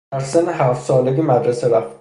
در سن هفت سالگی مدرسه رفت